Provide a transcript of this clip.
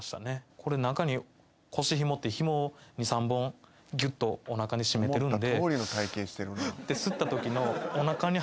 これ中に腰ひもってひもを２３本ぎゅっとおなかに締めてるんで。